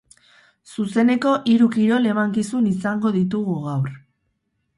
Zuzeneko hiru kirol emankizun izango ditugu gaur.